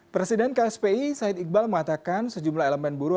presiden kspi said iqbal mengatakan sejumlah elemen buruh